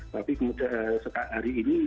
tapi kemudian hari ini